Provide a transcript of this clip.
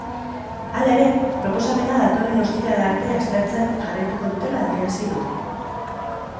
Hala ere, proposamena datorren ostirala arte aztertzen jarraituko dutela adierazi dute.